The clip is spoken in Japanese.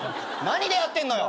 何でやってんのよ！